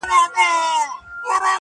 o پور چي تر سلو واوړي، وچه مه خوره٫